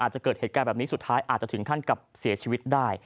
จะเกิดเหตุการณ์แบบนี้สุดท้ายอาจจะถึงขั้นกับเสียชีวิตได้